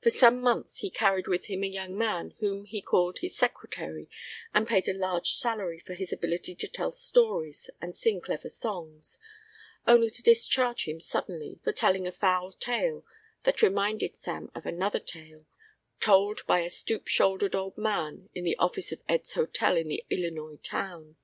For some months he carried with him a young man whom he called a secretary and paid a large salary for his ability to tell stories and sing clever songs, only to discharge him suddenly for telling a foul tale that reminded Sam of another tale told by the stoop shouldered old man in the office of Ed's hotel in the Illinois town.